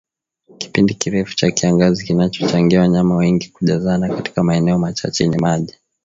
Kipindi kirefu cha kiangazi kinachochangia wanyama wengi kujazana katika maeneo machache yenye maji